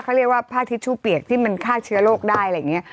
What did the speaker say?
เขาเรียกว่าผ้าทิชชูเปียกที่มันฆ่าเชื้อโรคได้